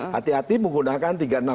hati hati menggunakan tiga ratus enam puluh